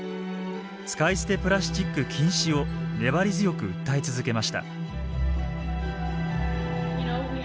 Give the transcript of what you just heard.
使い捨てプラスチック禁止を粘り強く訴え続けました。